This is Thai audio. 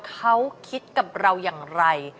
เขาคิดกับเราอย่างไร